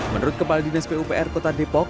menurut kepala dinas pupr kota depok